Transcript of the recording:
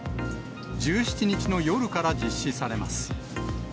１７日の夜から実施されます。